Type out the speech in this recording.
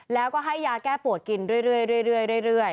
แล้วก็ให้ยาแก้ปวดกินเรื่อย